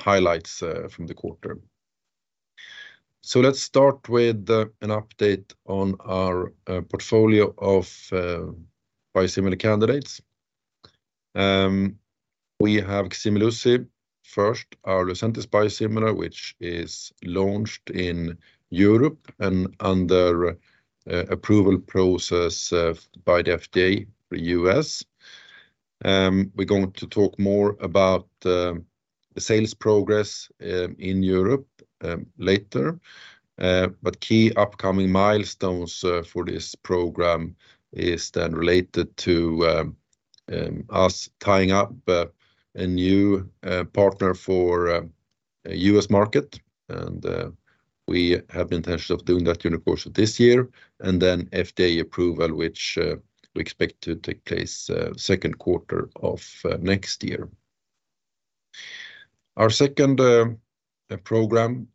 Highlights from the quarter. Let's start with an update on our portfolio of biosimilar candidates. We have Ximluci, first, our Lucentis biosimilar, which is launched in Europe and under approval process by the FDA in the U.S. We're going to talk more about the sales progress in Europe later. But key upcoming milestones for this program is then related to us tying up a new partner for U.S. market. We have intentions of doing that during the course of this year, and then FDA approval, which we expect to take place second quarter of next year. Our second program,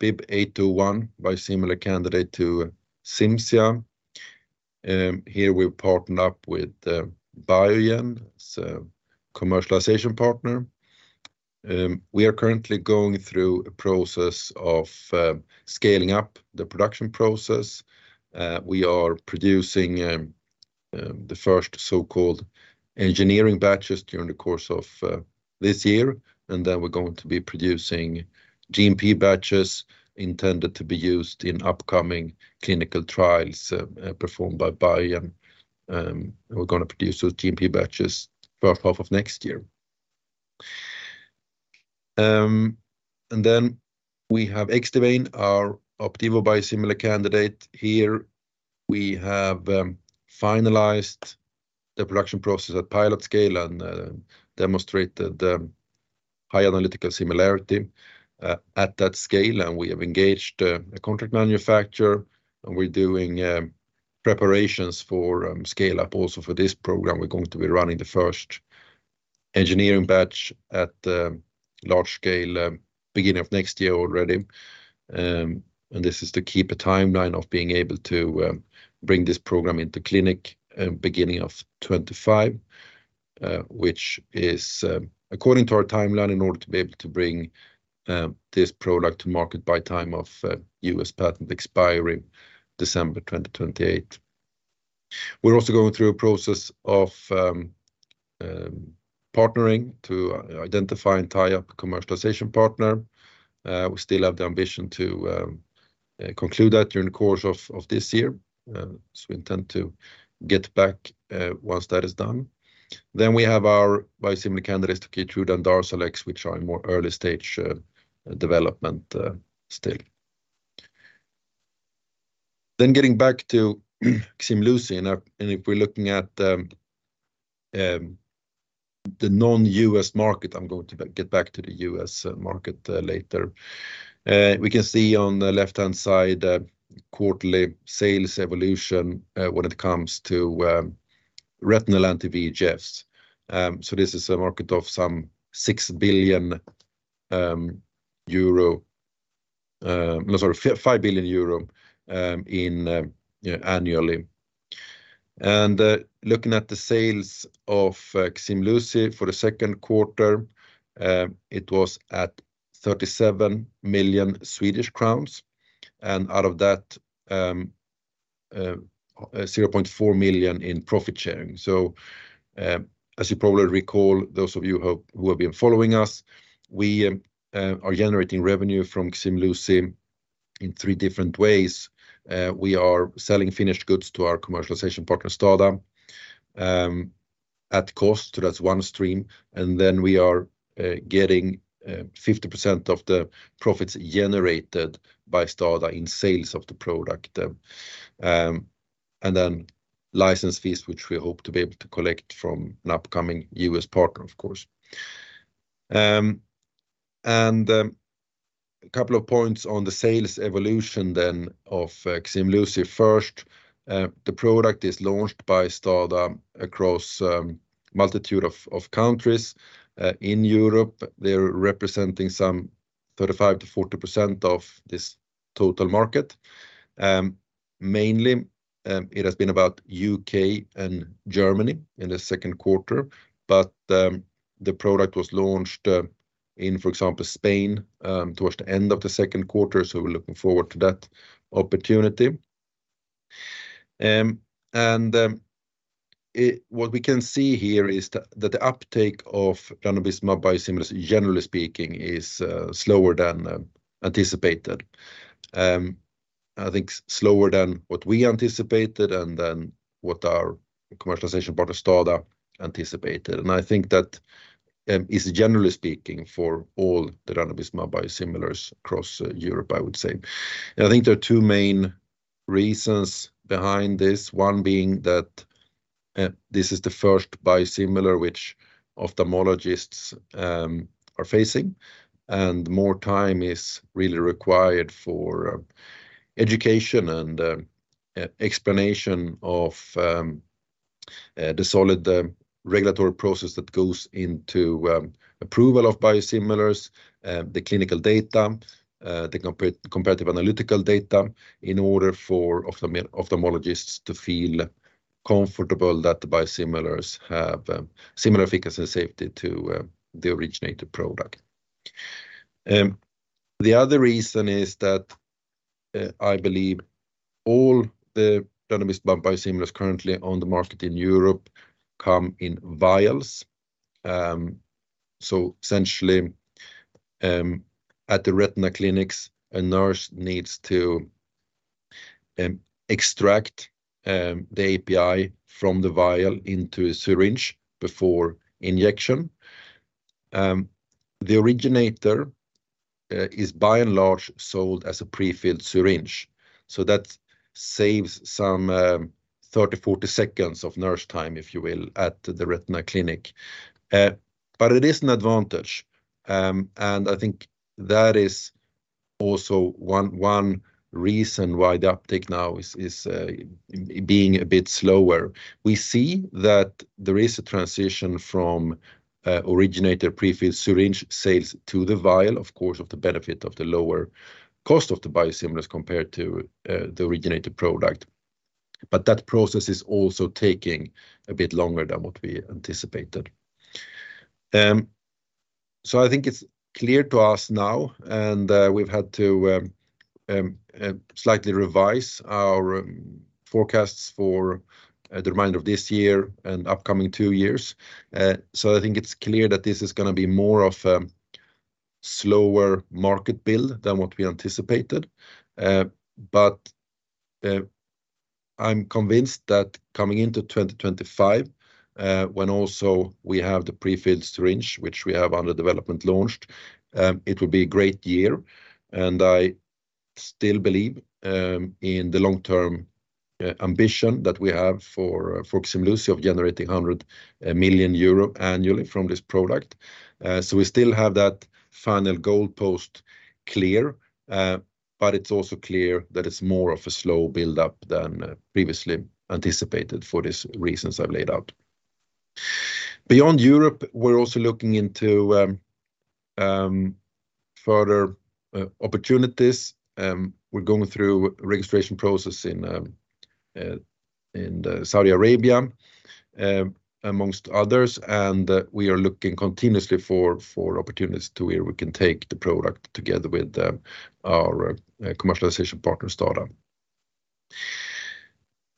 BIIB801, biosimilar candidate to Cimzia. Here we've partnered up with Biogen, so commercialization partner. We are currently going through a process of scaling up the production process. We are producing the first so-called engineering batches during the course of this year, and then we're going to be producing GMP batches intended to be used in upcoming clinical trials performed by Biogen. We're gonna produce those GMP batches first half of next year. And then we have Xdivane, our Opdivo biosimilar candidate. Here, we have finalized the production process at pilot scale and demonstrated high analytical similarity at that scale. And we have engaged a contract manufacturer, and we're doing preparations for scale-up also for this program. We're going to be running the first engineering batch at the large scale beginning of next year already. And this is to keep a timeline of being able to bring this program into clinic, beginning of 2025, which is, according to our timeline, in order to be able to bring this product to market by time of U.S. patent expiring December 2028. We're also going through a process of partnering to identify and tie up a commercialization partner. We still have the ambition to conclude that during the course of this year. So we intend to get back once that is done. Then we have our biosimilar candidates, Keytruda and Darzalex, which are in more early stage development still. Then getting back to Ximluci, and if we're looking at the non-U.S. market, I'm going to get back to the U.S. market later. We can see on the left-hand side, quarterly sales evolution, when it comes to, retinal anti-VEGFs. So this is a market of some 5 billion euro annually. Looking at the sales of Ximluci for the second quarter, it was at 37 million Swedish crowns, and out of that, 0.4 million in profit sharing. So, as you probably recall, those of you who have been following us, we are generating revenue from Ximluci in three different ways. We are selling finished goods to our commercialization partner, STADA, at cost. So that's one stream. And then we are getting 50% of the profits generated by STADA in sales of the product. And then license fees, which we hope to be able to collect from an upcoming U.S. partner, of course. And a couple of points on the sales evolution then of Ximluci. First, the product is launched by STADA across a multitude of countries. In Europe, they're representing some 35%-40% of this total market. Mainly, it has been about the U.K. and Germany in the second quarter, but the product was launched in, for example, Spain, towards the end of the second quarter. So we're looking forward to that opportunity. What we can see here is that the uptake of ranibizumab biosimilars, generally speaking, is slower than anticipated. I think slower than what we anticipated and than what our commercialization partner, STADA, anticipated. And I think that is generally speaking for all the ranibizumab biosimilars across Europe, I would say. And I think there are two main reasons behind this, one being that this is the first biosimilar which ophthalmologists are facing, and more time is really required for education and explanation of the solid regulatory process that goes into approval of biosimilars, the clinical data, the comparative analytical data, in order for ophthalmologists to feel comfortable that the biosimilars have similar efficacy and safety to the originator product. The other reason is that I believe all the ranibizumab biosimilars currently on the market in Europe come in vials. So essentially, at the retina clinics, a nurse needs to extract the API from the vial into a syringe before injection. The originator is by and large sold as a prefilled syringe. So that saves some 30, 40 seconds of nurse time, if you will, at the retina clinic. But it is an advantage, and I think that is also one reason why the uptake now is being a bit slower. We see that there is a transition from originator prefilled syringe sales to the vial, of course, of the benefit of the lower cost of the biosimilars compared to the originator product. But that process is also taking a bit longer than what we anticipated. So I think it's clear to us now, and we've had to slightly revise our forecasts for the remainder of this year and upcoming two years. So I think it's clear that this is gonna be more of a slower market build than what we anticipated. But I'm convinced that coming into 2025, when also we have the prefilled syringe, which we have under development, launched, it will be a great year. And I still believe in the long-term ambition that we have for Ximluci of generating 100 million euro annually from this product. So we still have that final goalpost clear, but it's also clear that it's more of a slow build-up than previously anticipated for these reasons I've laid out. Beyond Europe, we're also looking into further opportunities. We're going through a registration process in Saudi Arabia, amongst others, and we are looking continuously for opportunities to where we can take the product together with our commercialization partner, STADA.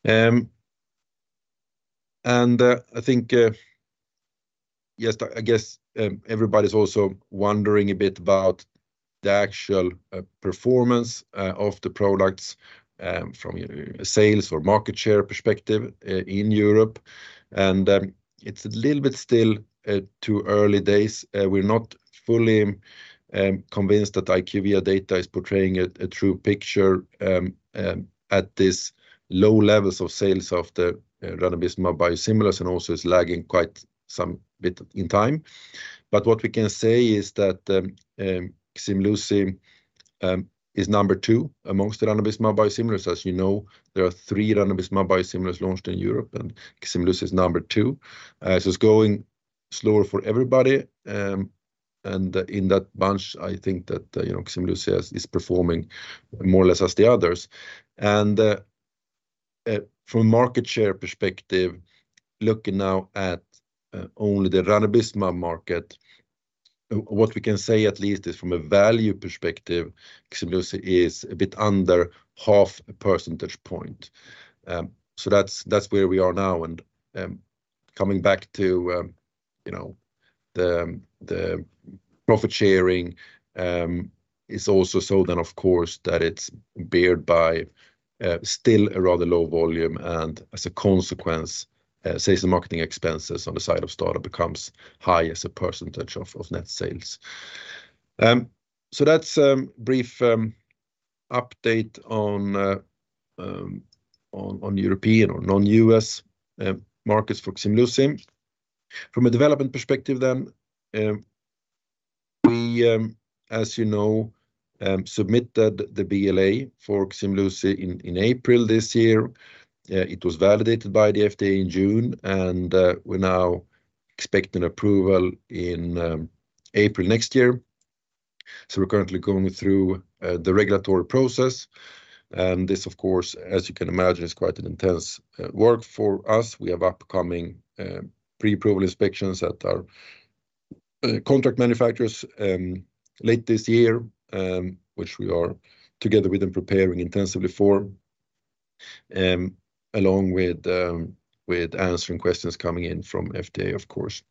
And, I think, yes, I guess, everybody's also wondering a bit about the actual performance of the products from a sales or market share perspective in Europe. And, it's a little bit still too early days. We're not fully convinced that IQVIA data is portraying a true picture at this low levels of sales of the ranibizumab biosimilars, and also is lagging quite some bit in time. But what we can say is that, Ximluci is number two amongst the ranibizumab biosimilars. As you know, there are three ranibizumab biosimilars launched in Europe, and Ximluci is number two. So it's going slower for everybody. And in that bunch, I think that, you know, Ximluci is performing more or less as the others. And from a market share perspective, looking now at only the ranibizumab market, what we can say at least is from a value perspective, Ximluci is a bit under half a percentage point. So that's where we are now. And coming back to, you know, the profit sharing, is also so then, of course, that it's beared by still a rather low volume, and as a consequence, sales and marketing expenses on the side of STADA becomes high as a percentage of net sales. So that's a brief update on European or non-U.S. markets for Ximluci. From a development perspective then, we, as you know, submitted the BLA for Ximluci in April this year. It was validated by the FDA in June, and we're now expecting approval in April next year. So we're currently going through the regulatory process. And this, of course, as you can imagine, is quite an intense work for us. We have upcoming pre-approval inspections at our contract manufacturers late this year, which we are together with them preparing intensively for, along with answering questions coming in from FDA, of course.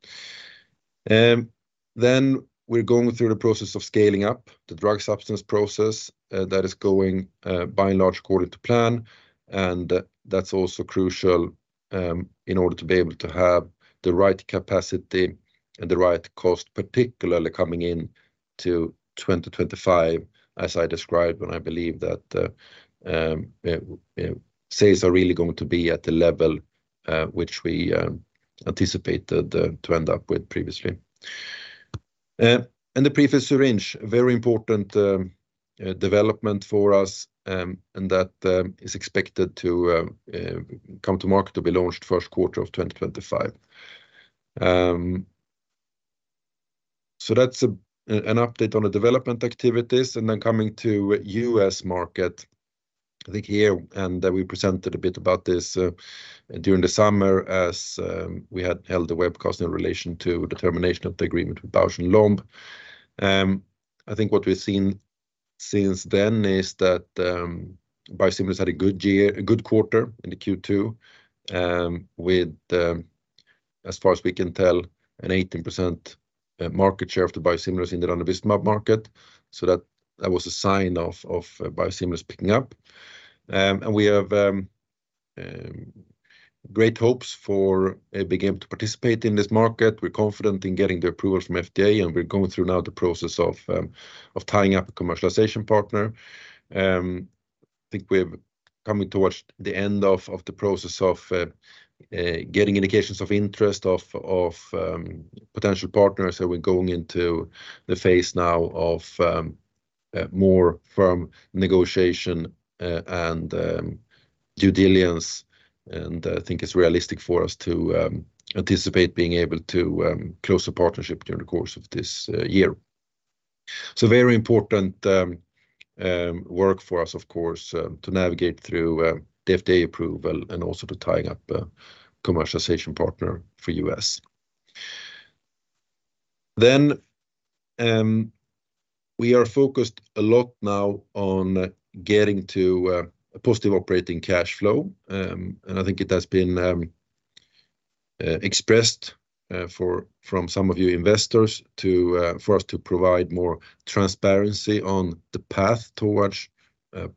Then we're going through the process of scaling up the drug substance process that is going by and large according to plan. And that's also crucial, in order to be able to have the right capacity and the right cost, particularly coming into 2025, as I described, when I believe that sales are really going to be at the level which we anticipated to end up with previously. And the prefilled syringe, very important development for us, and that is expected to come to market to be launched first quarter of 2025. So that's an update on the development activities, and then coming to U.S. market. I think here, and we presented a bit about this during the summer as we had held a webcast in relation to the termination of the agreement with Bausch + Lomb. I think what we've seen since then is that biosimilars had a good year, a good quarter in the Q2, with as far as we can tell, an 18% market share of the biosimilars in the ranibizumab market. So that was a sign of biosimilars picking up. And we have great hopes for beginning to participate in this market. We're confident in getting the approval from FDA, and we're going through now the process of tying up a commercialization partner. I think we're coming towards the end of the process of getting indications of interest of potential partners, so we're going into the phase now of more firm negotiation and due diligence. I think it's realistic for us to anticipate being able to close a partnership during the course of this year. Very important work for us, of course, to navigate through the FDA approval and also to tying up a commercialization partner for U.S. We are focused a lot now on getting to a positive operating cash flow. And I think it has been expressed from some of you investors to for us to provide more transparency on the path towards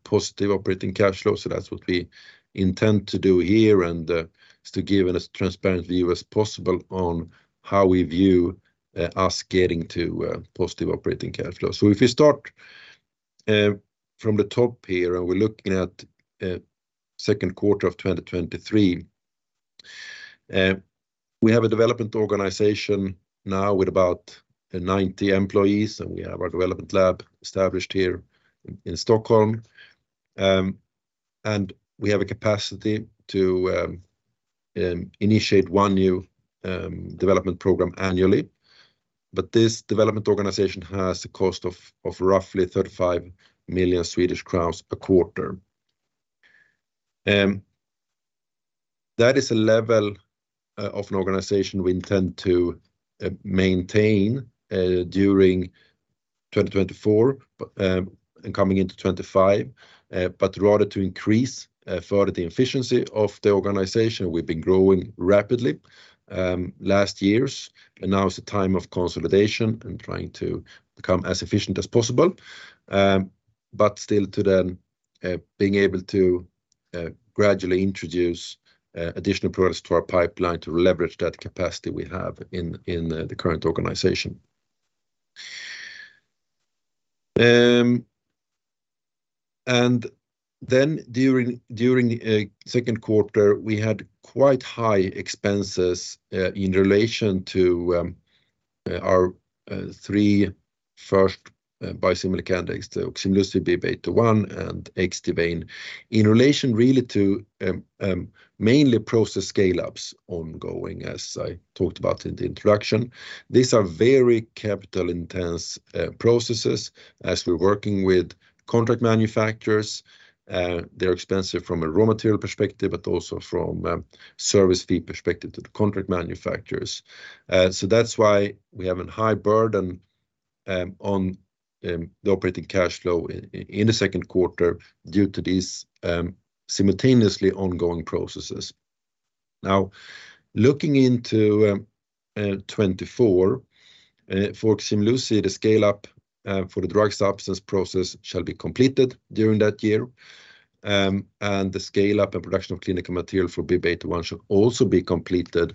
positive operating cash flow. So that's what we intend to do here, and is to give as transparent view as possible on how we view us getting to positive operating cash flow. So if you start from the top here, and we're looking at second quarter of 2023. We have a development organization now with about 90 employees, and we have our development lab established here in Stockholm. And we have a capacity to initiate one new development program annually. But this development organization has the cost of roughly 35 million Swedish crowns a quarter. That is a level of an organization we intend to maintain during 2024, but and coming into 2025. But rather to increase further the efficiency of the organization, we've been growing rapidly last years, and now is the time of consolidation and trying to become as efficient as possible. But still to then, being able to gradually introduce additional products to our pipeline to leverage that capacity we have in the current organization. And then during second quarter, we had quite high expenses in relation to our three first biosimilar candidates, the Ximluci, BIIB801, and Xdivane. In relation really to mainly process scale-ups ongoing, as I talked about in the introduction. These are very capital-intensive processes as we're working with contract manufacturers. They're expensive from a raw material perspective, but also from a service fee perspective to the contract manufacturers. So that's why we have a high burden on the operating cash flow in the second quarter due to these simultaneously ongoing processes. Now, looking into 2024 for Ximluci, the scale-up for the drug substance process shall be completed during that year. And the scale-up and production of clinical material for BIIB801 should also be completed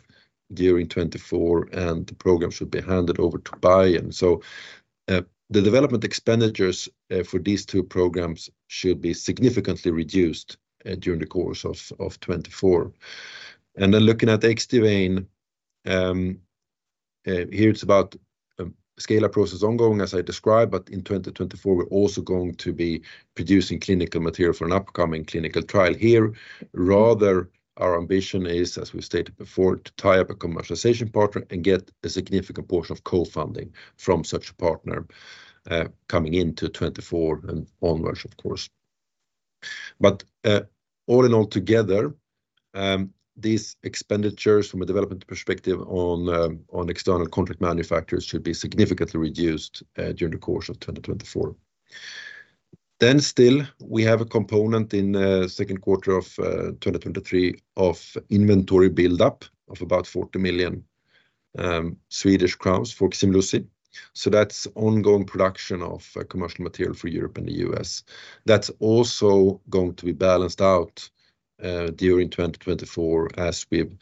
during 2024, and the program should be handed over to Biogen. So, the development expenditures for these two programs should be significantly reduced during the course of 2024. And then looking at Xdivane, here, it's about a scale-up process ongoing, as I described, but in 2024, we're also going to be producing clinical material for an upcoming clinical trial here. Rather, our ambition is, as we've stated before, to tie up a commercialization partner and get a significant portion of co-funding from such a partner coming into 2024 and onwards, of course. But, all in all together, these expenditures from a development perspective on, on external contract manufacturers, should be significantly reduced, during the course of 2024. Then still, we have a component in, second quarter of, 2023 of inventory build-up of about 40 million Swedish crowns for Ximluci. So that's ongoing production of commercial material for Europe and the U.S. That's also going to be balanced out, during 2024, as we've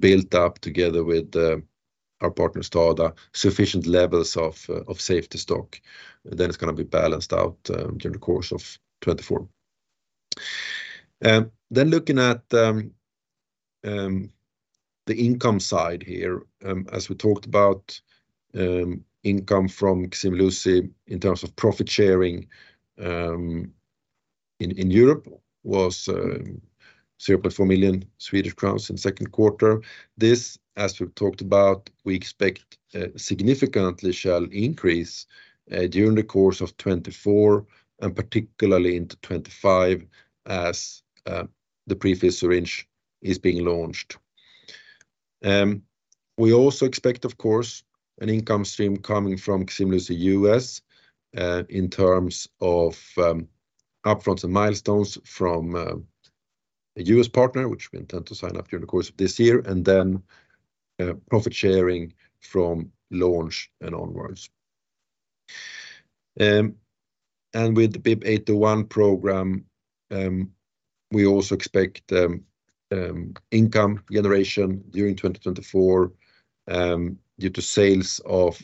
built up together with, our partner, STADA, sufficient levels of, of safety stock. Then it's gonna be balanced out, during the course of 2024. Then looking at, the income side here, as we talked about, income from Ximluci in terms of profit sharing, in Europe was 0.4 million Swedish crowns in the second quarter. This, as we've talked about, we expect significantly shall increase during the course of 2024, and particularly into 2025, as the prefilled syringe is being launched. We also expect, of course, an income stream coming from Ximluci U.S., in terms of upfronts and milestones from a U.S. partner, which we intend to sign up during the course of this year, and then profit sharing from launch and onwards. And with the BIIB801 program, we also expect income generation during 2024, due to sales of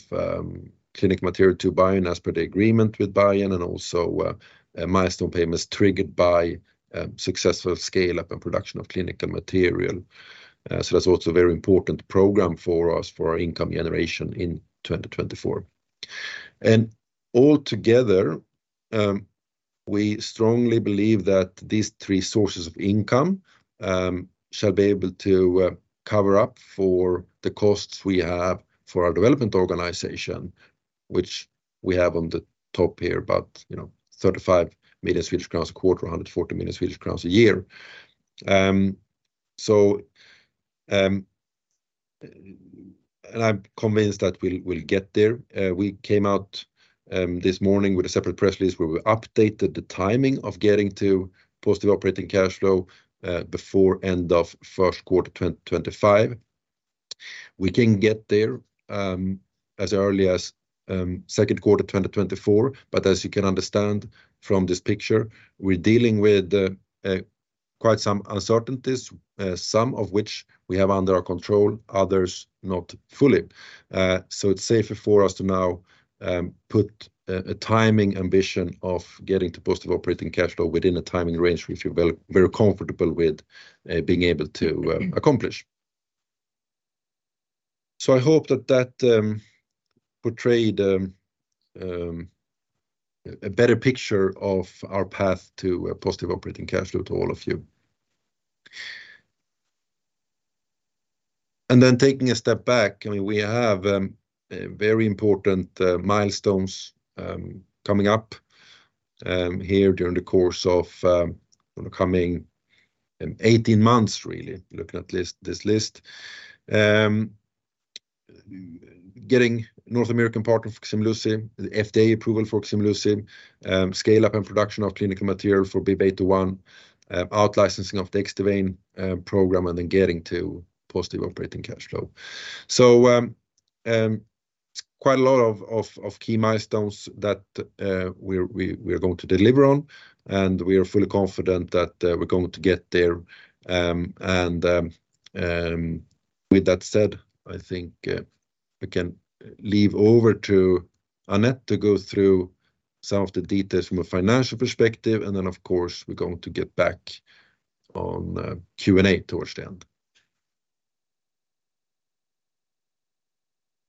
clinical material to Biogen as per the agreement with Biogen, and also a milestone payment is triggered by successful scale-up and production of clinical material. So that's also a very important program for us, for our income generation in 2024. And altogether, we strongly believe that these three sources of income shall be able to cover up for the costs we have for our development organization, which we have on the top here, about, you know, 35 million Swedish crowns a quarter, 140 million Swedish crowns a year. And I'm convinced that we'll, we'll get there. We came out this morning with a separate press release, where we updated the timing of getting to positive operating cash flow, before end of first quarter 2025. We can get there, as early as second quarter 2024, but as you can understand from this picture, we're dealing with quite some uncertainties, some of which we have under our control, others not fully. So it's safer for us to now put a, a timing ambition of getting to positive operating cash flow within a timing range, which we're very, very comfortable with, being able to accomplish. So I hope that that portrayed a better picture of our path to a positive operating cash flow to all of you. And then taking a step back, I mean, we have very important milestones coming up here during the course of the coming 18 months, really, looking at this, this list. Getting North American part of Ximluci, the FDA approval for Ximluci, scale-up and production of clinical material for BIIB801, out licensing of the Xdivane program, and then getting to positive operating cash flow. So, quite a lot of key milestones that we're going to deliver on, and we are fully confident that we're going to get there. With that said, I think I can leave over to Anette to go through some of the details from a financial perspective, and then, of course, we're going to get back on Q&A towards the end.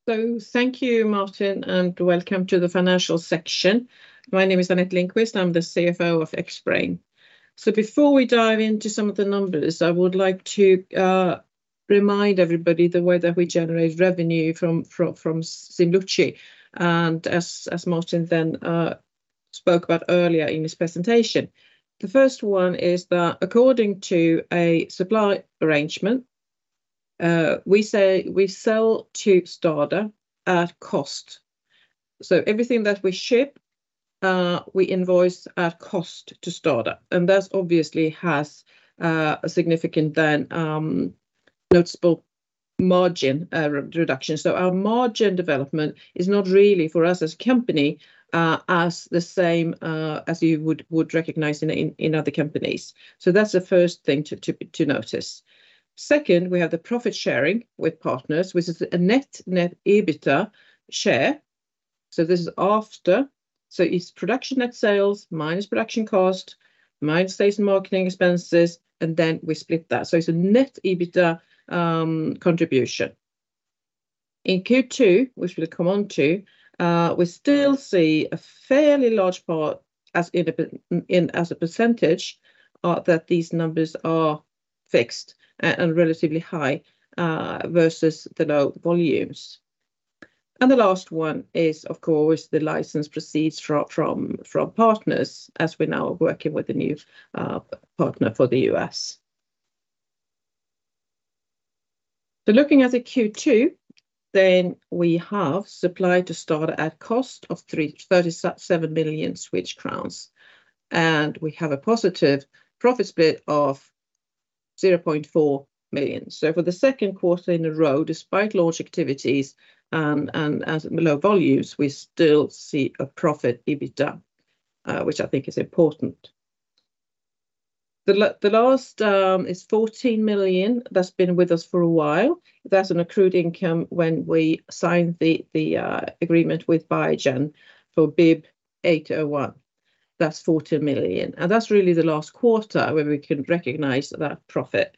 So thank you, Martin, and welcome to the financial section. My name is Anette Lindqvist, I'm the CFO of Xbrane. So before we dive into some of the numbers, I would like to remind everybody the way that we generate revenue from Ximluci, and as Martin then spoke about earlier in his presentation. The first one is that according to a supply arrangement, we say we sell to STADA at cost. So everything that we ship, we invoice at cost to STADA, and that obviously has a significant then noticeable margin reduction. So our margin development is not really for us as a company as the same as you would recognize in other companies. So that's the first thing to notice. Second, we have the profit sharing with partners, which is a net-net EBITDA share. So this is after. So it's production net sales, minus production cost, minus sales and marketing expenses, and then we split that. So it's a net EBITDA contribution. In Q2, which we'll come on to, we still see a fairly large part as in a percentage that these numbers are fixed and relatively high versus the low volumes. And the last one is, of course, the license proceeds from partners, as we're now working with a new partner for the U.S. So looking at the Q2, then we have supply to STADA at cost of 37 million crowns, and we have a positive profit split of 0.4 million. So for the second quarter in a row, despite large activities, and as low volumes, we still see a profit EBITDA, which I think is important. The last is 14 million, that's been with us for a while. That's an accrued income when we signed the agreement with Biogen for BIIB801. That's 14 million, and that's really the last quarter where we can recognize that profit,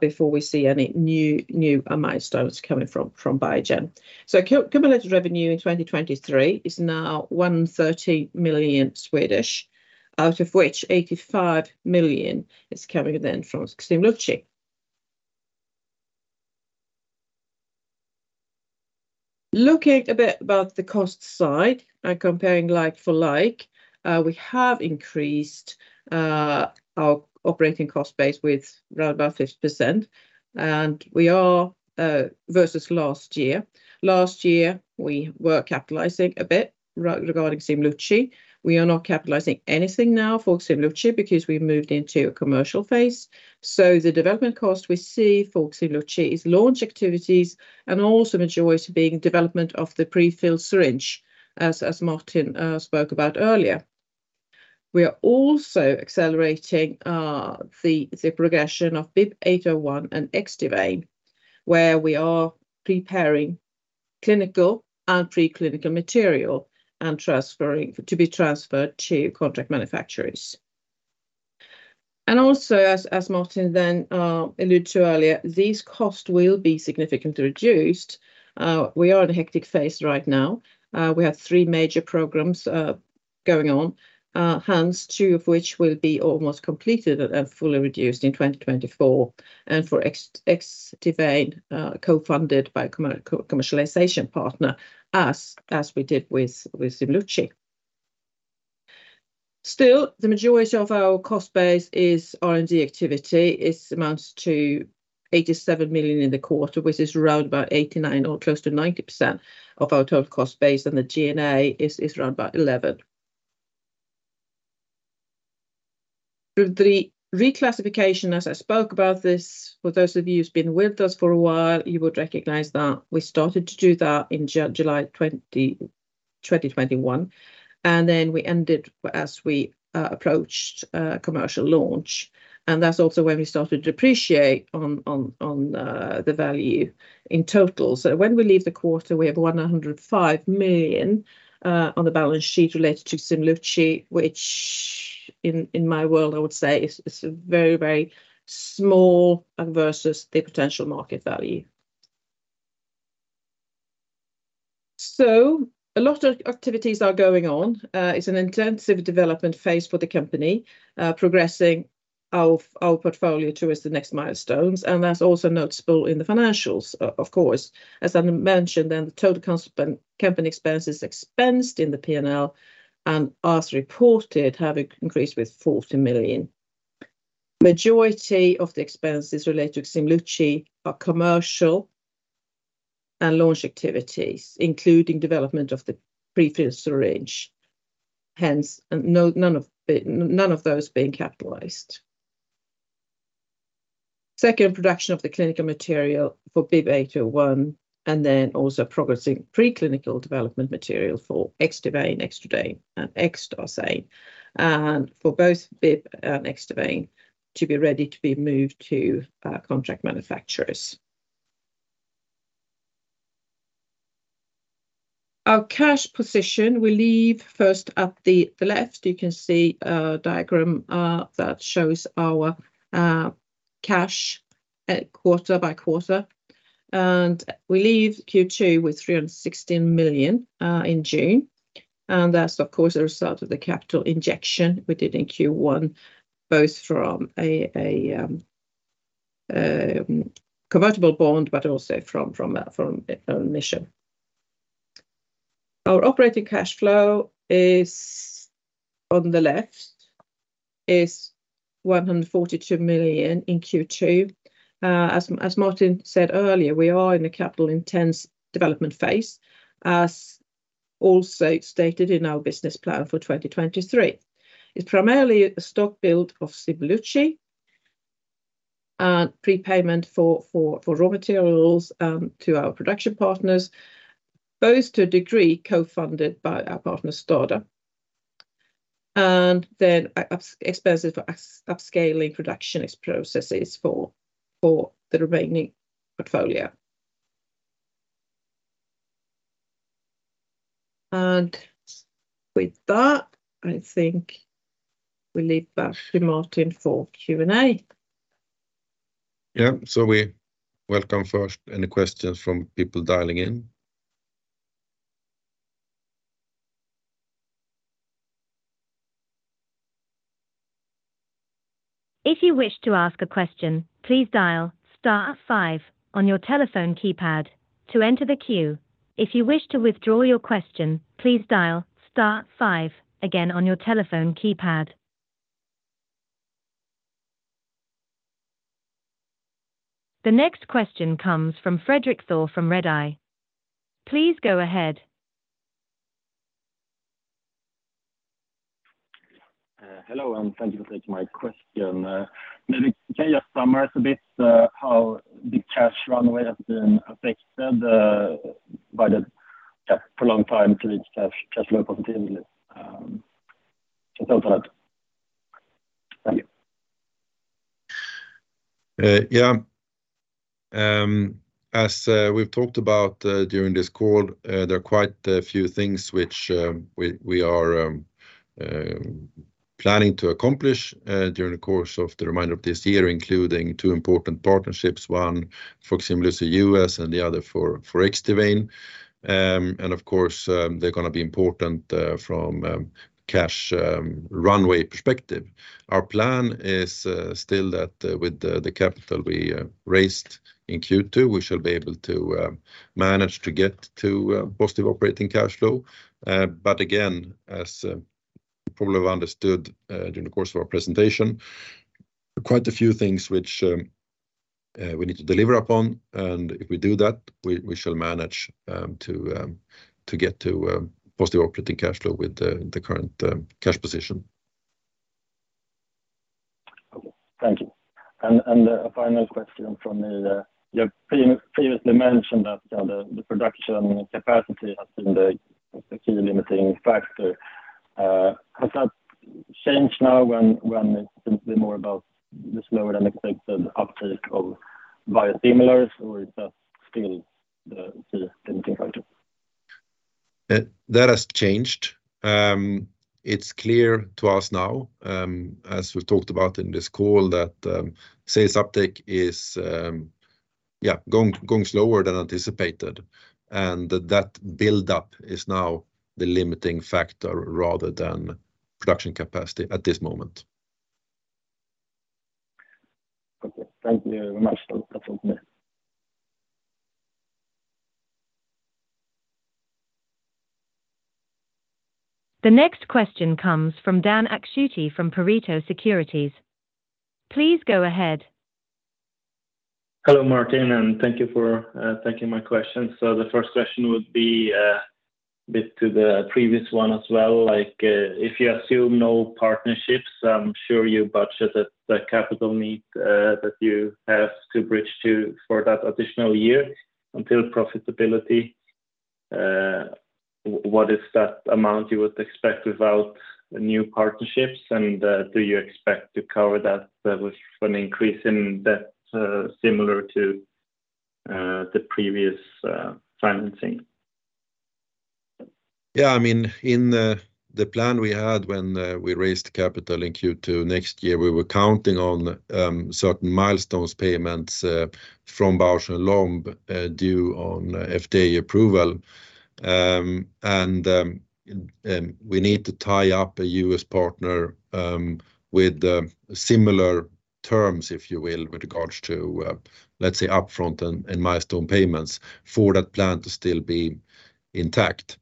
before we see any new milestones coming from Biogen. So cumulative revenue in 2023 is now 130 million, out of which 85 million is coming then from Ximluci. Looking a bit about the cost side and comparing like for like, we have increased our operating cost base with about 50%, and we are versus last year. Last year, we were capitalizing a bit regarding Ximluci. We are not capitalizing anything now for Ximluci because we moved into a commercial phase. So the development cost we see for Ximluci is launch activities, and also majority being development of the prefilled syringe, as Martin spoke about earlier. We are also accelerating the progression of BIIB801 and Xdivane, where we are preparing clinical and preclinical material and transferring to be transferred to contract manufacturers. And also, as Martin then alluded to earlier, these costs will be significantly reduced. We are in a hectic phase right now. We have three major programs going on. Hence, two of which will be almost completed and fully reduced in 2024, and for Xdivane, co-funded by a co-commercialization partner, as we did with Ximluci. Still, the majority of our cost base is R&D activity. It amounts to 87 million in the quarter, which is round about 89% or close to 90% of our total cost base, and the G&A is round about 11. The reclassification, as I spoke about this, for those of you who's been with us for a while, you would recognize that we started to do that in July 2021, and then we ended as we approached commercial launch, and that's also when we started to depreciate on the value in total. So when we leave the quarter, we have 105 million on the balance sheet related to Ximluci, which in my world, I would say is a very, very small versus the potential market value. So a lot of activities are going on. It's an intensive development phase for the company, progressing our, our portfolio towards the next milestones, and that's also noticeable in the financials, of course. As I mentioned, then the total company expenses expensed in the P&L, and as reported, have increased with 40 million. Majority of the expenses related to Ximluci are commercial and launch activities, including development of the prefilled syringe. Hence, none of those being capitalized. Second production of the clinical material for BIIB801, and then also progressing preclinical development material for Xdivane, Xdivane, and Xdarzane, and for both BIIB801 and Xdivane to be ready to be moved to contract manufacturers. Our cash position, we'll leave first at the left, you can see a diagram that shows our cash at quarter by quarter. We leave Q2 with 316 million in June, and that's, of course, a result of the capital injection we did in Q1, both from a convertible bond, but also from an emission. Our operating cash flow is on the left, is 142 million in Q2. As Martin said earlier, we are in a capital-intense development phase, as also stated in our business plan for 2023. It's primarily a stock build of Ximluci, and prepayment for raw materials, and to our production partners, both to a degree, co-funded by our partner, STADA. And then, expenses for upscaling production processes for the remaining portfolio. And with that, I think we leave back to Martin for Q&A. Yeah. So we welcome first any questions from people dialing in. If you wish to ask a question, please dial star five on your telephone keypad to enter the queue. If you wish to withdraw your question, please dial star five again on your telephone keypad. The next question comes from Fredrik Thor from Redeye. Please go ahead. Hello, and thank you for taking my question. Maybe can you just summarize a bit, how the cash runway has been affected, by the, yeah, for a long time to reach cash, cash flow continuously, so that. Thank you. Yeah. As we've talked about during this call, there are quite a few things which we are planning to accomplish during the course of the remainder of this year, including two important partnerships, one for Ximluci U.S., and the other for Xdivane. And of course, they're gonna be important from cash runway perspective. Our plan is still that with the capital we raised in Q2, we shall be able to manage to get to positive operating cash flow. But again, as you probably have understood, during the course of our presentation, quite a few things which we need to deliver upon, and if we do that, we shall manage to get to positive operating cash flow with the current cash position. Okay. Thank you. And a final question from me. You've previously mentioned that, you know, the production capacity has been the key limiting factor. Has that changed now when it's simply more about the slower than expected uptake of biosimilars, or is that still the key limiting factor? That has changed. It's clear to us now, as we've talked about in this call, that sales uptake is going slower than anticipated, and that buildup is now the limiting factor rather than production capacity at this moment. Okay. Thank you very much. That's all for me. The next question comes from Dan Akschuti from Pareto Securities. Please go ahead. Hello, Martin, and thank you for taking my question. So the first question would be, tied to the previous one as well. Like, if you assume no partnerships, I'm sure you budget the capital need that you have to bridge to for that additional year until profitability. What is that amount you would expect without new partnerships? And do you expect to cover that with an increase in debt similar to the previous financing? Yeah, I mean, in the plan we had when we raised capital in Q2 next year, we were counting on certain milestones, payments from Bausch + Lomb due on FDA approval. And we need to tie up a U.S. partner with similar terms, if you will, with regards to let's say, upfront and milestone payments for that plan to still be intact.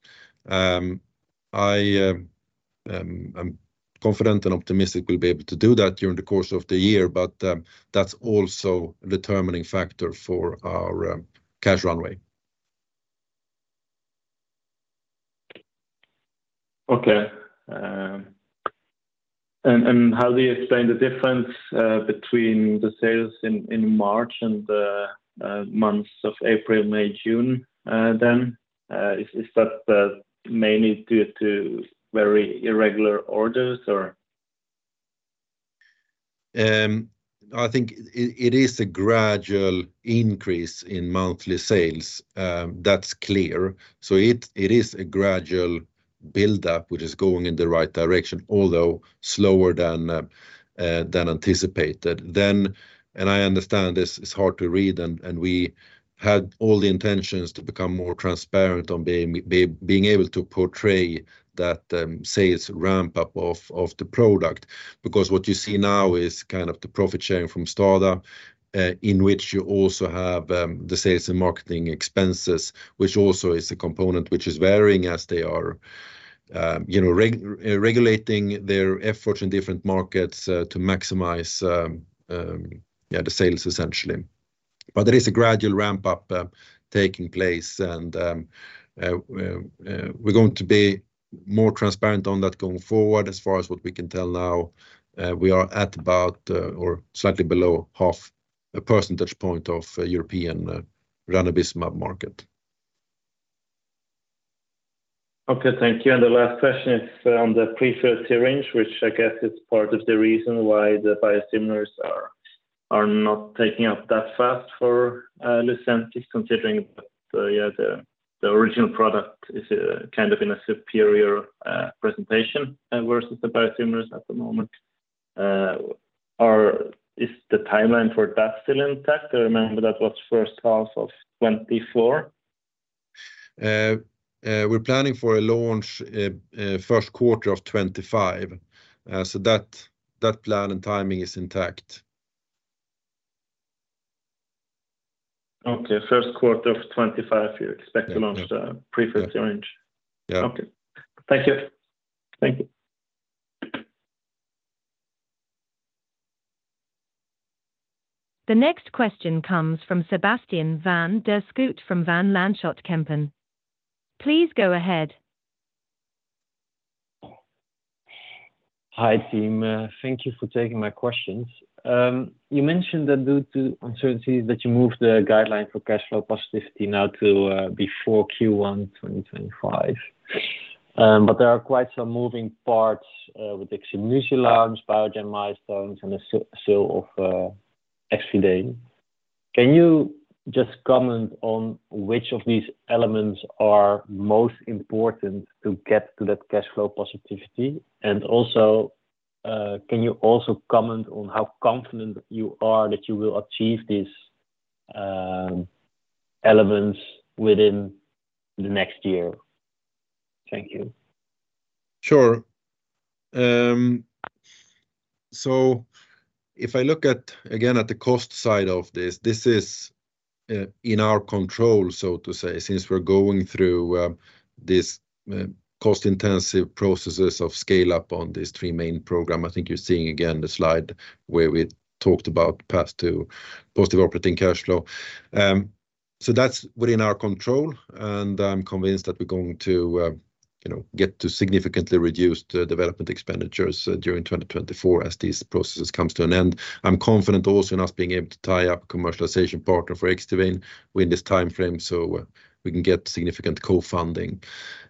I'm confident and optimistic we'll be able to do that during the course of the year, but that's also a determining factor for our cash runway. Okay. And how do you explain the difference between the sales in March and the months of April, May, June, then? Is that mainly due to very irregular orders, or? I think it is a gradual increase in monthly sales, that's clear. So it is a gradual buildup, which is going in the right direction, although slower than anticipated. I understand this is hard to read, and we had all the intentions to become more transparent on being able to portray that sales ramp-up of the product. Because what you see now is kind of the profit sharing from STADA, in which you also have the sales and marketing expenses, which also is a component which is varying as they are, you know, regulating their efforts in different markets to maximize the sales essentially. But there is a gradual ramp-up taking place and we're going to be more transparent on that going forward. As far as what we can tell now, we are at about, or slightly below 0.5 percentage point of European ranibizumab market. Okay, thank you. The last question is on the prefilled syringe, which I guess is part of the reason why the biosimilars are not taking up that fast for Lucentis, considering yeah, the original product is kind of in a superior presentation versus the biosimilars at the moment. Is the timeline for that still intact? I remember that was first half of 2024. We're planning for a launch, first quarter of 2025. So that plan and timing is intact. Okay, first quarter of 25, you expect to launch the prefilled syringe? Yeah. Okay. Thank you. Thank you. The next question comes from Sebastiaan van der Schoot from Van Lanschot Kempen. Please go ahead. Hi, team. Thank you for taking my questions. You mentioned that due to uncertainties, that you moved the guideline for cash flow positivity now to before Q1 2025. But there are quite some moving parts with the Ximluci launch, Biogen milestones, and the sale of Xdivane. Can you just comment on which of these elements are most important to get to that cash flow positivity? And also, can you comment on how confident you are that you will achieve these elements within the next year? Thank you. Sure. So if I look at, again, at the cost side of this, this is in our control, so to say, since we're going through this cost-intensive processes of scale-up on these three main program, I think you're seeing, again, the slide where we talked about path to positive operating cash flow. So that's within our control, and I'm convinced that we're going to, you know, get to significantly reduce the development expenditures during 2024 as these processes comes to an end. I'm confident also in us being able to tie up commercialization partner for Xdivane within this timeframe, so we can get significant co-funding.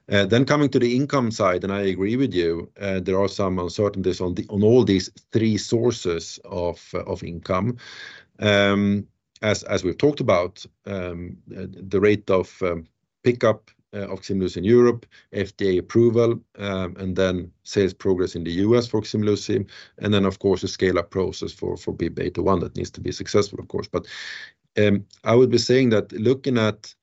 Then coming to the income side, and I agree with you, there are some uncertainties on all these three sources of income. As we've talked about, the rate of pickup of Ximluci in Europe, FDA approval, and then sales progress in the U.S. for Ximluci, and then, of course, the scale-up process for BIIB801, that needs to be successful, of course. But I would be saying that looking at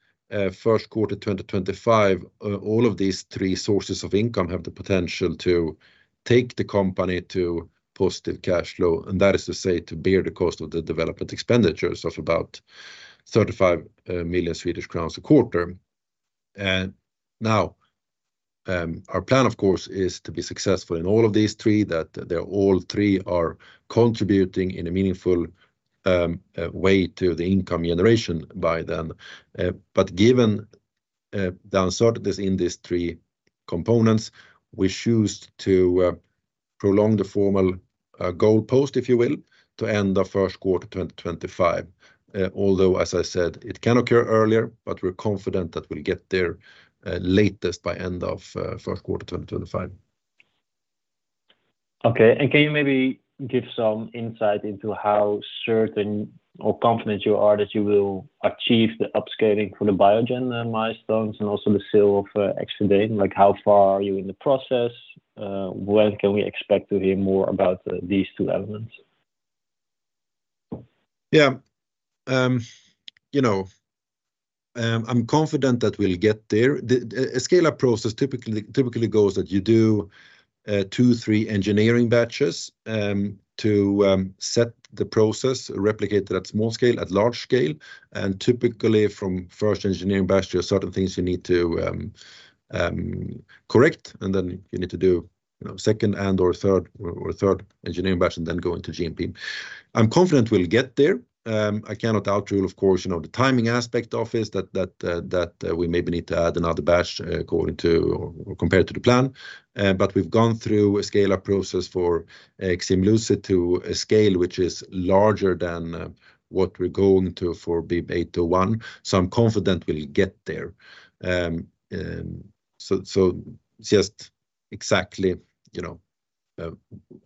first quarter 2025, all of these three sources of income have the potential to take the company to positive cash flow, and that is to say, to bear the cost of the development expenditures of about 35 million Swedish crowns a quarter. And now, our plan, of course, is to be successful in all of these three, that they're all three are contributing in a meaningful way to the income generation by then. But given the uncertainties in these three components, we choose to prolong the formal goal post, if you will, to end of first quarter 2025. Although, as I said, it can occur earlier, but we're confident that we'll get there, latest by end of first quarter 2025. Okay. And can you maybe give some insight into how certain or confident you are that you will achieve the upscaling for the Biogen milestones and also the sale of Xdivane? Like, how far are you in the process? When can we expect to hear more about these two elements? Yeah. You know, I'm confident that we'll get there. A scale-up process typically goes that you do two, three engineering batches to set the process, replicate it at small scale, at large scale. And typically, from first engineering batch, there are certain things you need to correct, and then you need to do, you know, second and or third engineering batch, and then go into GMP. I'm confident we'll get there. I cannot rule out, of course, you know, the timing aspect of this, that we maybe need to add another batch according to or compared to the plan. But we've gone through a scale-up process for Ximluci to a scale which is larger than what we're going to for BIIB801, so I'm confident we'll get there. So, just exactly, you know,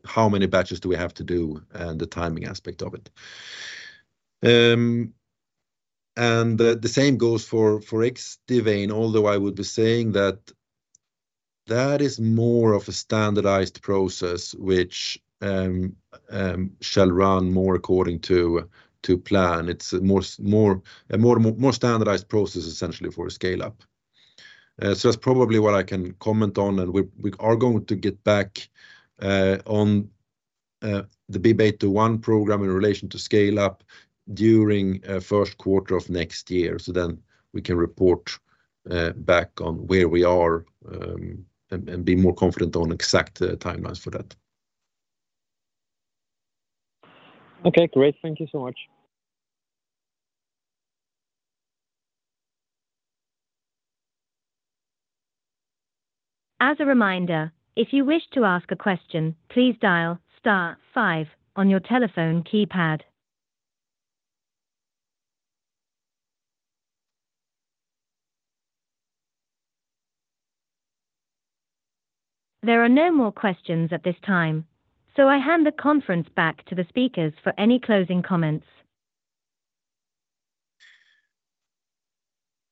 how many batches do we have to do and the timing aspect of it. And the same goes for Xdivane, although I would be saying that that is more of a standardized process, which shall run more according to plan. It's a more standardized process, essentially, for a scale-up. So that's probably what I can comment on, and we are going to get back on the BIIB801 program in relation to scale-up during first quarter of next year. So then we can report back on where we are and be more confident on exact timelines for that. Okay, great. Thank you so much. As a reminder, if you wish to ask a question, please dial star five on your telephone keypad. There are no more questions at this time, so I hand the conference back to the speakers for any closing comments.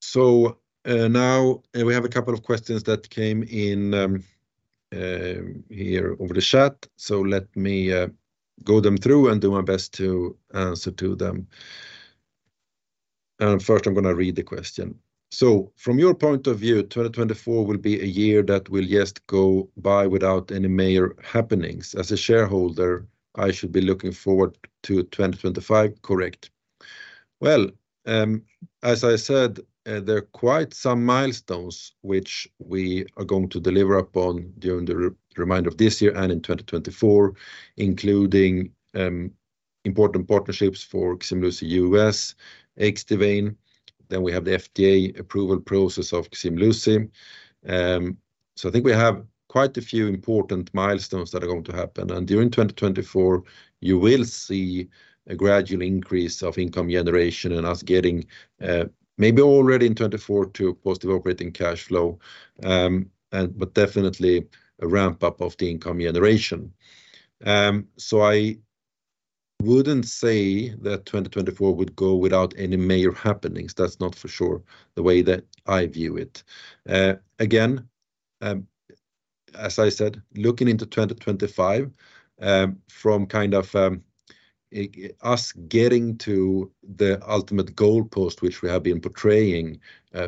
So, now, we have a couple of questions that came in, here over the chat. So let me go them through and do my best to answer to them. First, I'm going to read the question. "So from your point of view, 2024 will be a year that will just go by without any major happenings. As a shareholder, I should be looking forward to 2025, correct?" Well, as I said, there are quite some milestones which we are going to deliver upon during the remainder of this year and in 2024, including, important partnerships for Ximluci U.S., Xdivane, then we have the FDA approval process of Ximluci. So I think we have quite a few important milestones that are going to happen. During 2024, you will see a gradual increase of income generation and us getting, maybe already in 2024 to positive operating cash flow, and but definitely a ramp-up of the income generation. So wouldn't say that 2024 would go without any major happenings. That's not for sure the way that I view it. Again, as I said, looking into 2025, from kind of, us getting to the ultimate goalpost, which we have been portraying,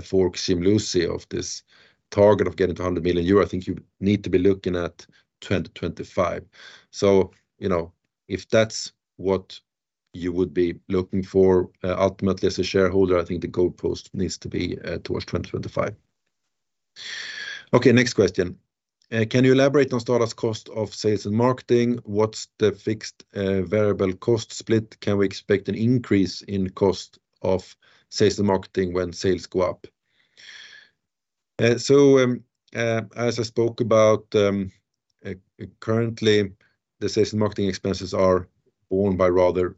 for Ximluci of this target of getting to 100 million euro, I think you need to be looking at 2025. So, you know, if that's what you would be looking for, ultimately, as a shareholder, I think the goalpost needs to be, towards 2025. Okay, next question. Can you elaborate on STADA's cost of sales and marketing? What's the fixed, variable cost split? Can we expect an increase in cost of sales and marketing when sales go up? So, as I spoke about, currently, the sales and marketing expenses are borne by rather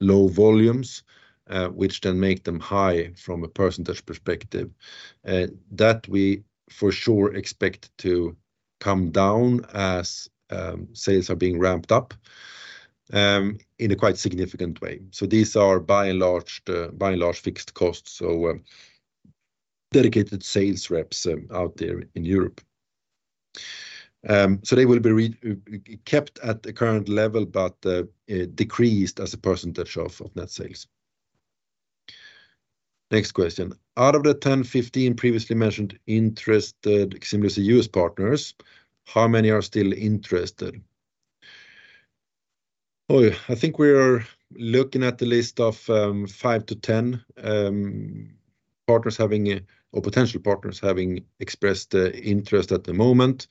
low volumes, which then make them high from a percentage perspective, that we for sure expect to come down as sales are being ramped up in a quite significant way. So these are by and large, by and large, fixed costs, so dedicated sales reps out there in Europe. So they will be kept at the current level, but decreased as a percentage of net sales. Next question. Out of the 10-15 previously mentioned interested Ximluci U.S. partners, how many are still interested? Oh, I think we are looking at the list of 5-10 partners having or potential partners having expressed interest at the moment.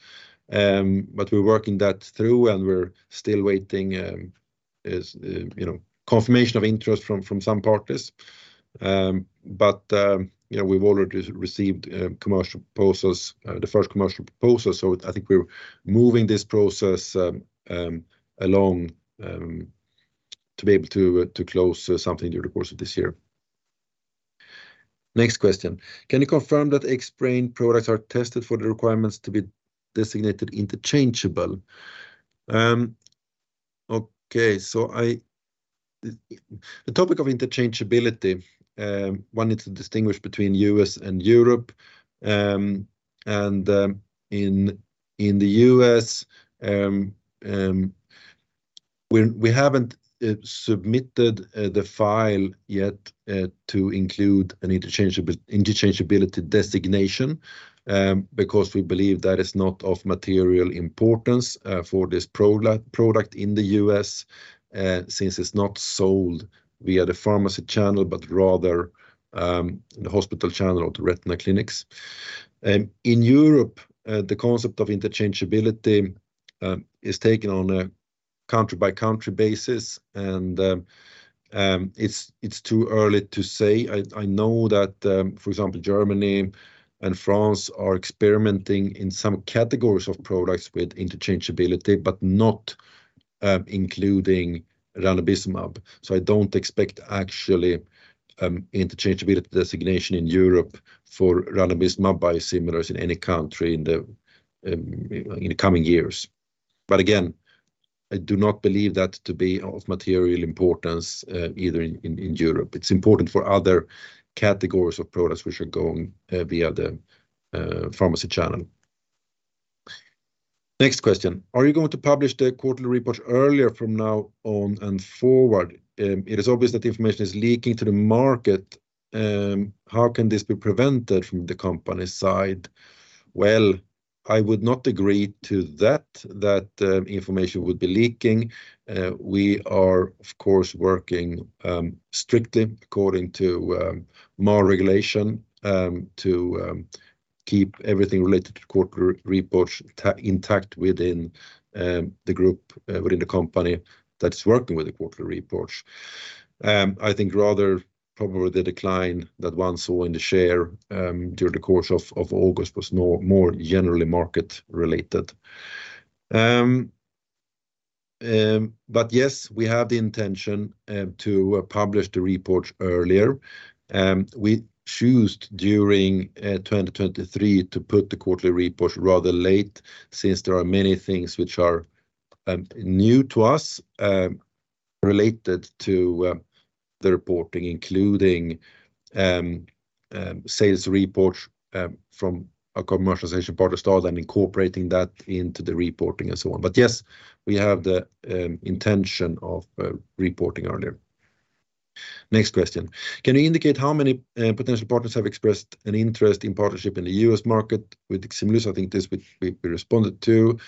But we're working that through, and we're still waiting, as you know, confirmation of interest from some partners. But you know, we've already received commercial proposals, the first commercial proposal, so I think we're moving this process along to be able to to close something during the course of this year. Next question: Can you confirm that Xbrane products are tested for the requirements to be designated interchangeable? Okay, so the topic of interchangeability, one need to distinguish between U.S. and Europe. In the U.S., we haven't submitted the file yet to include an interchangeability designation, because we believe that is not of material importance for this product in the U.S., since it's not sold via the pharmacy channel, but rather the hospital channel or the retina clinics. In Europe, the concept of interchangeability is taken on a country-by-country basis, and it's too early to say. I know that, for example, Germany and France are experimenting in some categories of products with interchangeability, but not including ranibizumab. So I don't expect actually interchangeability designation in Europe for ranibizumab biosimilars in any country in the coming years. But again, I do not believe that to be of material importance, either in Europe. It's important for other categories of products which are going via the pharmacy channel. Next question: Are you going to publish the quarterly report earlier from now on and forward? It is obvious that information is leaking to the market. How can this be prevented from the company's side? Well, I would not agree to that, that information would be leaking. We are, of course, working strictly according to more regulation to keep everything related to quarterly reports intact within the group, within the company that is working with the quarterly reports. I think rather probably the decline that one saw in the share during the course of August was more generally market related. But yes, we have the intention to publish the report earlier. We choose during 2023 to put the quarterly report rather late, since there are many things which are new to us related to the reporting, including sales reports from a commercialization partner STADA and incorporating that into the reporting and so on. But yes, we have the intention of reporting earlier. Next question: Can you indicate how many potential partners have expressed an interest in partnership in the U.S. market with Ximluci? I think this we, we responded to.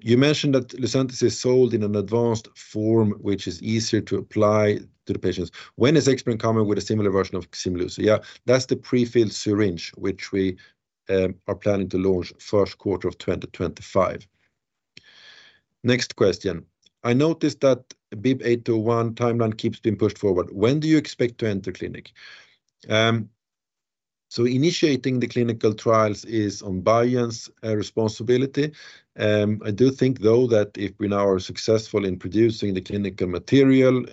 You mentioned that Lucentis is sold in an advanced form, which is easier to apply to the patients. When is Xbrane coming with a similar version of Ximluci? Yeah, that's the prefilled syringe, which we are planning to launch first quarter of 2025. Next question: I noticed that BIIB801 timeline keeps being pushed forward. When do you expect to enter clinic? So initiating the clinical trials is on Biogen's responsibility. I do think, though, that if we now are successful in producing the clinical material,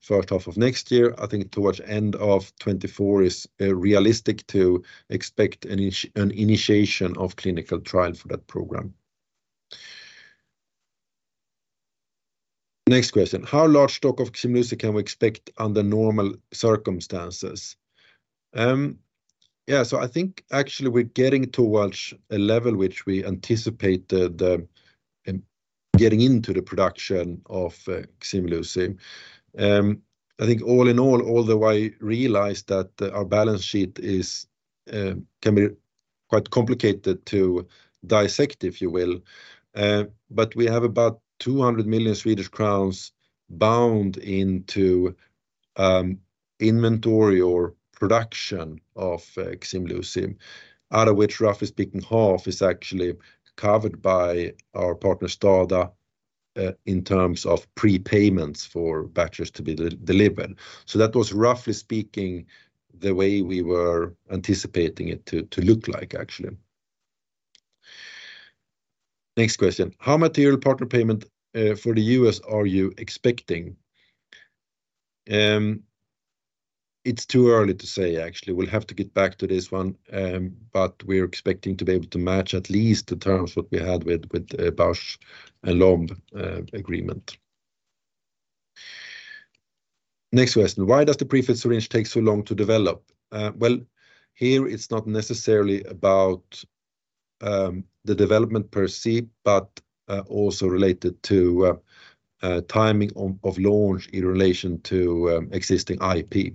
first half of next year, I think towards end of 2024 is realistic to expect an initiation of clinical trial for that program. Next question: How large stock of Ximluci can we expect under normal circumstances? Yeah, so I think actually we're getting towards a level which we anticipate the getting into the production of Ximluci. I think all in all, although I realize that our balance sheet is can be quite complicated to dissect, if you will. But we have about 200 million Swedish crowns bound into inventory or production of Ximluci, out of which, roughly speaking, half is actually covered by our partner, STADA, in terms of prepayments for batches to be delivered. So that was, roughly speaking, the way we were anticipating it to look like, actually. Next question: How material partner payment for the U.S. are you expecting? It's too early to say, actually. We'll have to get back to this one, but we're expecting to be able to match at least the terms what we had with Bausch + Lomb agreement. Next question: Why does the prefilled syringe take so long to develop? Well, here, it's not necessarily about the development per se, but also related to timing of launch in relation to existing IP.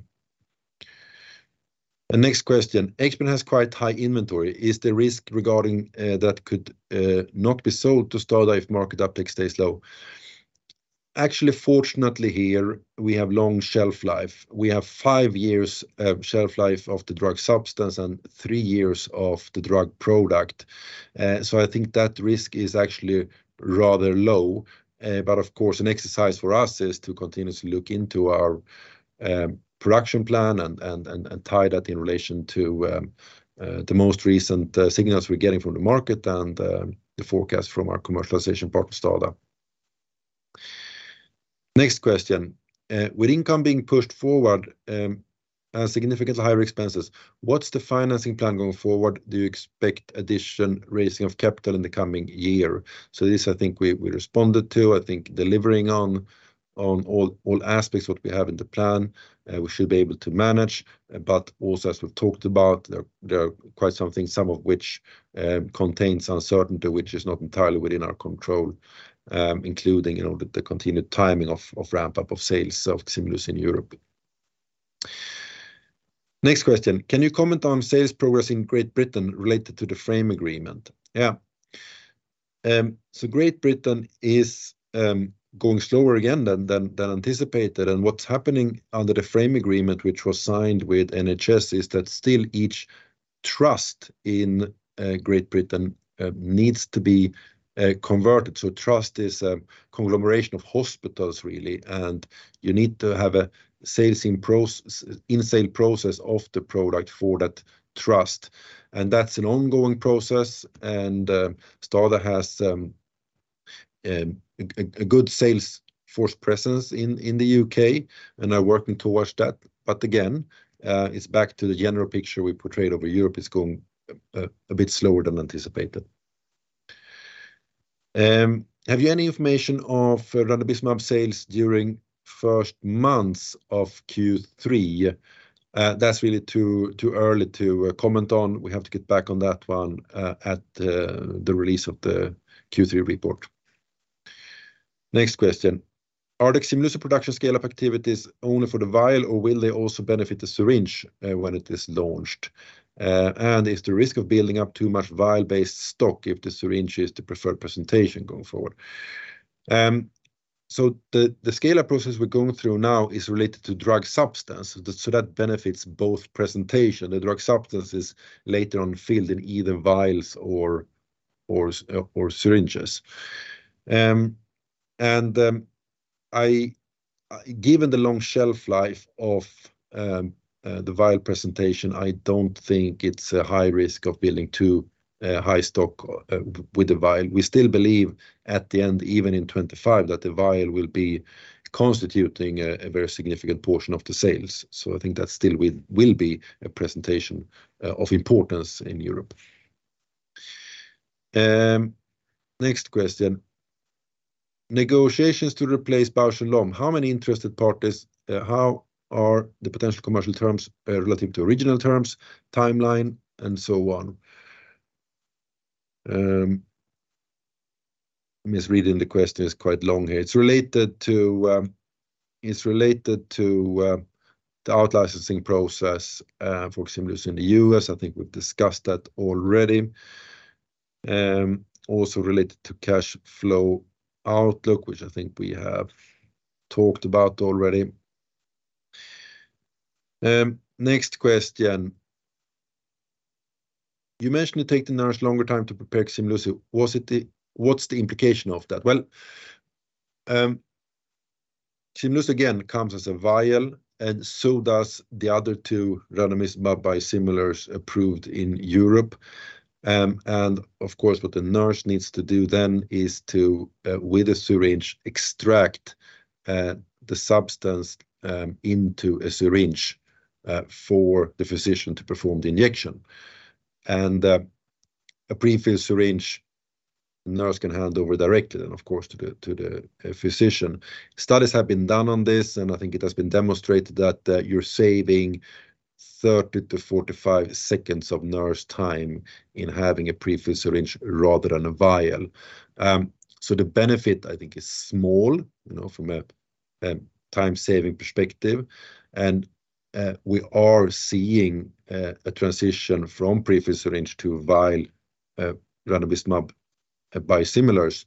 The next question: Xbrane has quite high inventory. Is there risk regarding that could not be sold to STADA if market uptake stays low? Actually, fortunately, here, we have long shelf life. We have five years of shelf life of the drug substance and three years of the drug product. So I think that risk is actually rather low. But of course, an exercise for us is to continuously look into our production plan and tie that in relation to the most recent signals we're getting from the market and the forecast from our commercialization partner, STADA. Next question: With income being pushed forward, significantly higher expenses, what's the financing plan going forward? Do you expect additional raising of capital in the coming year? So this, I think we responded to. I think delivering on all aspects what we have in the plan, we should be able to manage. But also, as we've talked about, there are quite some things, some of which contains uncertainty, which is not entirely within our control, including, you know, the continued timing of ramp-up of sales of Ximluci in Europe. Next question: Can you comment on sales progress in Great Britain related to the frame agreement? Yeah. So Great Britain is going slower again than anticipated. And what's happening under the frame agreement, which was signed with NHS, is that still each trust in Great Britain needs to be converted. So trust is a conglomeration of hospitals, really, and you need to have a sales process of the product for that trust, and that's an ongoing process. And STADA has a good sales force presence in the U.K. and are working towards that. But again, it's back to the general picture we portrayed over Europe. It's going a bit slower than anticipated. Have you any information of ranibizumab sales during first months of Q3? That's really too early to comment on. We have to get back on that one at the release of the Q3 report. Next question: Are the Ximluci production scale-up activities only for the vial, or will they also benefit the syringe when it is launched? And is the risk of building up too much vial-based stock if the syringe is the preferred presentation going forward? So the scale-up process we're going through now is related to drug substance, so that benefits both presentations. The drug substance is later on filled in either vials or syringes. Given the long shelf life of the vial presentation, I don't think it's a high risk of building too high stock with the vial. We still believe at the end, even in 2025, that the vial will be constituting a very significant portion of the sales. So I think that still will be a presentation of importance in Europe. Next question, negotiations to replace Bausch + Lomb. How many interested parties, how are the potential commercial terms relative to original terms, timeline, and so on? I'm misreading the question, it's quite long here. It's related to the outlicensing process for Ximluci in the U.S. I think we've discussed that already. Also related to cash flow outlook, which I think we have talked about already. Next question. You mentioned it take the nurse longer time to prepare Ximluci. What's the implication of that? Well, Ximluci, again, comes as a vial, and so does the other two ranibizumab biosimilars approved in Europe. And of course, what the nurse needs to do then is to, with a syringe, extract the substance into a syringe for the physician to perform the injection. A prefilled syringe, the nurse can hand over directly and of course to the physician. Studies have been done on this, and I think it has been demonstrated that you're saving 30-45 seconds of nurse time in having a prefilled syringe rather than a vial. So the benefit, I think, is small, you know, from a time-saving perspective, and we are seeing a transition from prefilled syringe to vial ranibizumab biosimilars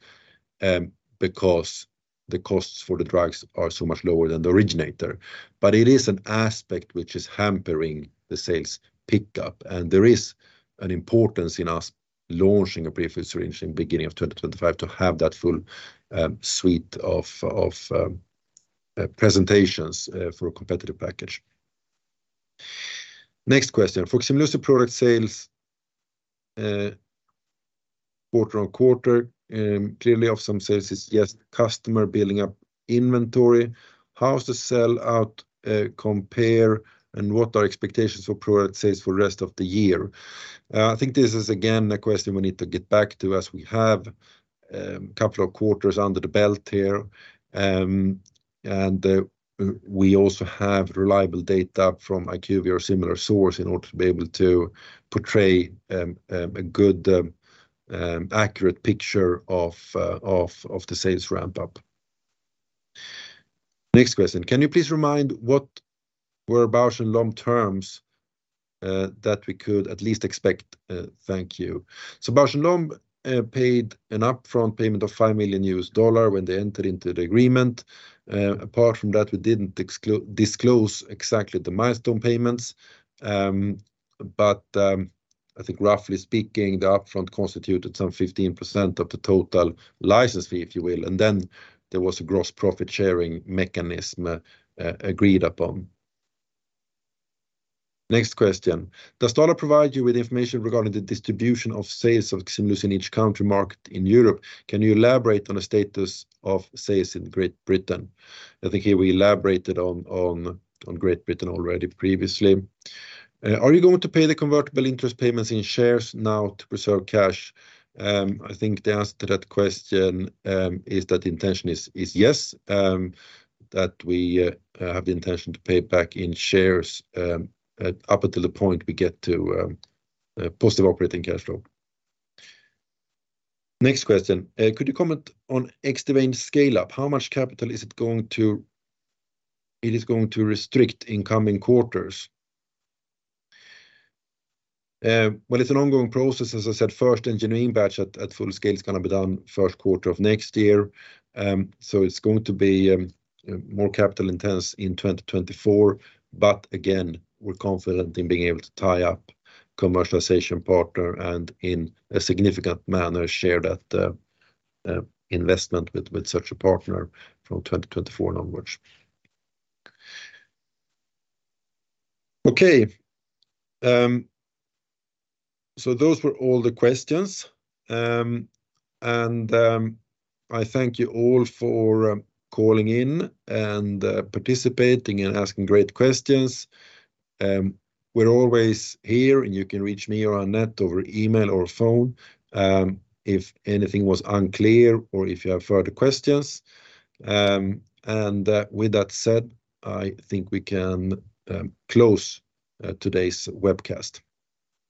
because the costs for the drugs are so much lower than the originator. But it is an aspect which is hampering the sales pickup, and there is an importance in us launching a prefilled syringe in beginning of 2025 to have that full suite of presentations for a competitive package. Next question. For Ximluci product sales, quarter-on-quarter, clearly of some sales is just customer building up inventory. How's the sellout compare, and what are expectations for product sales for the rest of the year? I think this is again a question we need to get back to, as we have a couple of quarters under the belt here. And we also have reliable data from IQVIA or similar source in order to be able to portray a good accurate picture of the sales ramp-up. Next question: Can you please remind what were Bausch + Lomb terms that we could at least expect? Thank you. So Bausch + Lomb paid an upfront payment of $5 million when they entered into the agreement. Apart from that, we didn't disclose exactly the milestone payments. But, I think roughly speaking, the upfront constituted some 15% of the total license fee, if you will, and then there was a gross profit-sharing mechanism agreed upon. Next question: Does STADA provide you with information regarding the distribution of sales of Ximluci in each country market in Europe? Can you elaborate on the status of sales in Great Britain? I think here we elaborated on Great Britain already previously. Are you going to pay the convertible interest payments in shares now to preserve cash? I think the answer to that question is that the intention is yes, that we have the intention to pay back in shares up until the point we get to positive operating cash flow. Next question: Could you comment on Xdivane scale-up? How much capital is it going to-- it is going to require in coming quarters? Well, it's an ongoing process. As I said, first engineering batch at full scale is gonna be done first quarter of next year. So it's going to be more capital intense in 2024, but again, we're confident in being able to tie up commercialization partner, and in a significant manner, share that investment with such a partner from 2024 onwards. Okay, so those were all the questions. And I thank you all for calling in and participating and asking great questions. We're always here, and you can reach me or Anette over email or phone, if anything was unclear or if you have further questions. With that said, I think we can close today's webcast.